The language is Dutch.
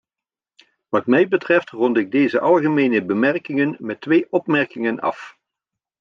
Wat mij betreft rond ik deze algemene bemerkingen met twee opmerkingen af.